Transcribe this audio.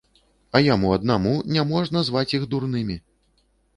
А яму аднаму не можна зваць іх дурнымі.